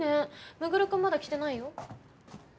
周君まだ来てないよ。